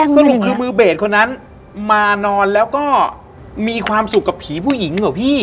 สรุปคือมือเบสคนนั้นมานอนแล้วก็มีความสุขกับผีผู้หญิงเหรอพี่